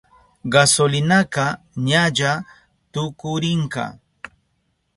Gasolinaka ñalla tukurinka.